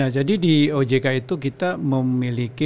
jadi di ojk itu kita memiliki